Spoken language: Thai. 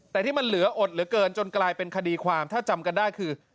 แต่ที่มันเหลืออดเหลือเกินจนกลายเป็นคดีความถ้าจำกันได้คือ